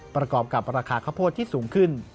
ประกอบกับราคาข้าวโพดที่สูงขึ้น